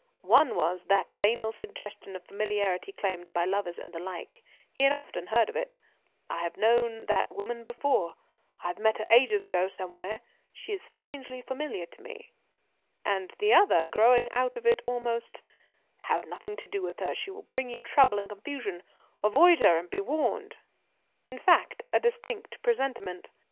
One was that banal suggestion of familiarity claimed by lovers and the like he had often heard of it "I have known that woman before; I have met her ages ago somewhere; she is strangely familiar to me"; and the other, growing out of it almost: "Have nothing to do with her; she will bring you trouble and confusion; avoid her, and be warned"; in fact, a distinct presentiment.